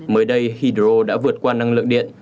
mới đây hydro đã vượt qua năng lượng điện